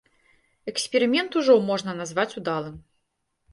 Эксперымент ўжо можна назваць удалым.